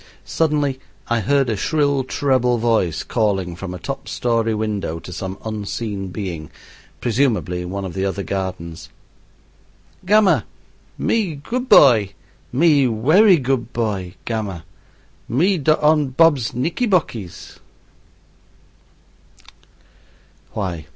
Suddenly I heard a shrill treble voice calling from a top story window to some unseen being, presumably in one of the other gardens, "Gamma, me dood boy, me wery good boy, gamma; me dot on Bob's knickiebockies."